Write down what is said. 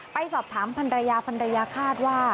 ไปสอบถามพันธุ์ระยะพันธุ์ระยะคาดว่า